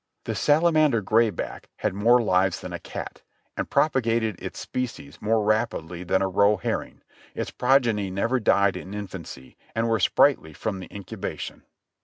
The "salamander grayback" had more lives than a cat, and propa gated its species more rapidly than a roe herring; its progeny never died in infancy, and were sprightly from the incubation.